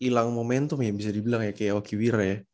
hilang momentum ya bisa dibilang ya kayak okiwira ya